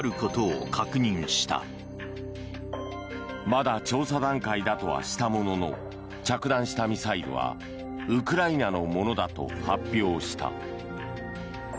まだ調査段階だとはしたものの着弾したミサイルはウクライナのものだと発表した。